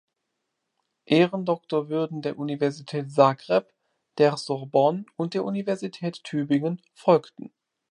Ehrendoktorwürden der Universität Zagreb, der Sorbonne und der Universität Tübingen folgten.